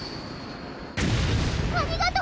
ありがとう！